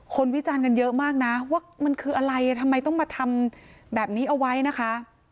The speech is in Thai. วิจารณ์กันเยอะมากนะว่ามันคืออะไรทำไมต้องมาทำแบบนี้เอาไว้นะคะ